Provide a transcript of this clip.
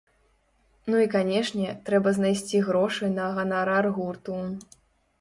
Ну, і канешне, трэба знайсці грошы на ганарар гурту.